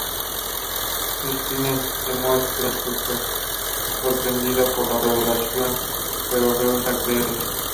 Christine se muestra sorprendida por la revelación, pero rehúsa creerle.